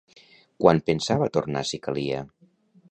Quan pensava tornar si calia?